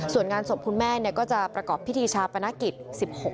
ส่วนงานศพคุณแม่ก็จะประกอบพิธีชาปนกิจ๑๖